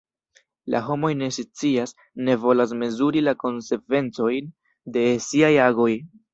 La homoj ne scias, ne volas mezuri la konsekvencojn de siaj agoj.